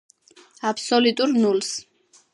აბსოლიტურ ნულს